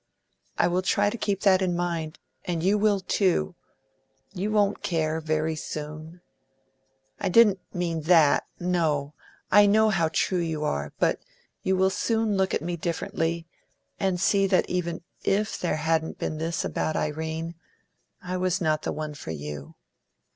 I will try to keep that in my mind, and you will too you won't care, very soon! I didn't mean THAT no; I know how true you are; but you will soon look at me differently; and see that even IF there hadn't been this about Irene, I was not the one for you.